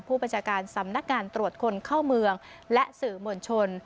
ผู้บัญชาการสำนักงานตรวจคนเข้าเมืองและสื่อมวลชน